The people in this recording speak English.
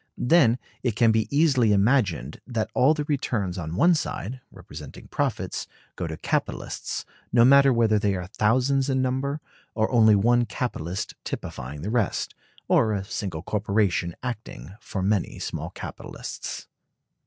Then it can be easily imagined that all the returns on one side, representing profits, go to capitalists, no matter whether they are thousands in number, or only one capitalist typifying the rest, or a single corporation acting for many small capitalists.